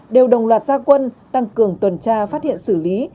đều đồng loạt gia quân tăng cường tuần tra phát hiện xử lý